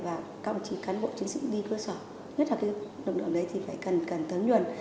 và công trí cán bộ chính sự đi cơ sở nhất là lực lượng đấy cần thấn nhuận